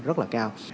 rất là cao